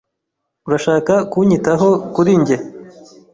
Urashaka kunyitaho kuri njye?